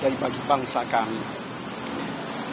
jadikanlah ihtiar kami di mahkamah konstitusi ini